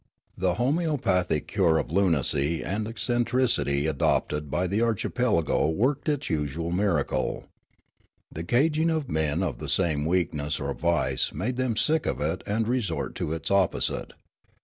The homoeopathic cure of lunacy and eccentricity adopted by the archipelago worked its usual miracle. 254 Riallaro The caging of men of the same weakness or vice made them sick of it and resort to its opposite.